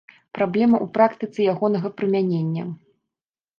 Праблема ў практыцы ягонага прымянення.